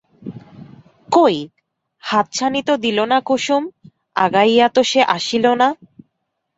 কই, হাতছানি তো দিল না কুসুম, আগাইয়া তো সে আসিল না?